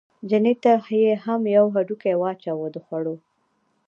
چیني ته یې هم یو هډوکی واچاوه د خوړو.